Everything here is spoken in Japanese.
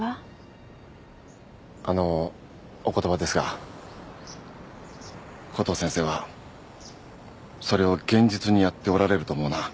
あのお言葉ですがコトー先生はそれを現実にやっておられると思うな。